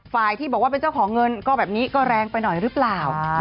ที่บอกว่าเป็นเจ้าของเงินก็แบบนี้ก็แรงไปหน่อยหรือเปล่า